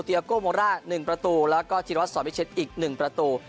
เตียโกโมร่า๑ประตูแล้วก็จิตวัสสวิเชษฐ์อีก๑ประตู